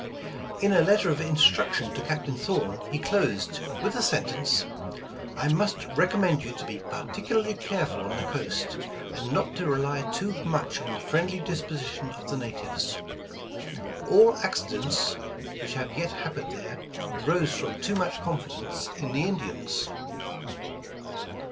'' In a letter of instruction to Captain Thorn, he closed with the sentence :'' I must recommend you to be particularly careful on the coast, and not to rely too much on the friendly disposition of the natives. All accidents which have yet happened there, arose from too much confidence in the Indians.